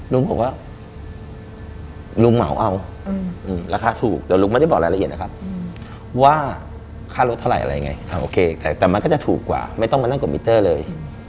ลุงบอกว่าลุงเหมาเอาราคาถูกเดี๋ยวลุงไม่ได้บอกรายละเอียดนะครับว่าค่ารถเท่าไหร่อะไรไงโอเคแต่มันก็จะถูกกว่าไม่ต้องมานั่งกดมิเตอร์เลย